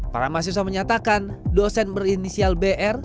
para mahasiswa menyatakan dosen berinisial br